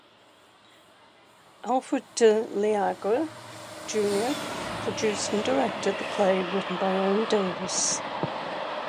Alfred De Liagre, Junior produced and directed the play written by Owen Davis.